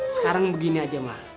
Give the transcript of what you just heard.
sekarang begini aja mbak